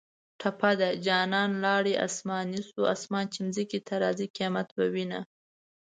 ټپه ده: جانانه لاړې اسماني شوې اسمان چې ځمکې ته راځي قیامت به وینه